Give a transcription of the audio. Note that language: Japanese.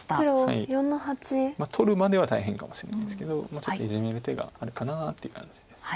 取るまでは大変かもしれないですけどちょっとイジメる手があるかなという感じです。